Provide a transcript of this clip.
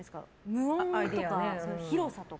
無音とか、広さとか。